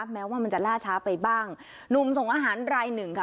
แม้ว่ามันจะล่าช้าไปบ้างหนุ่มส่งอาหารรายหนึ่งค่ะ